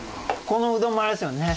このうどんもあれですよね？